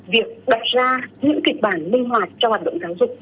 việc đặt ra những kịch bản linh hoạt cho hoạt động giáo dục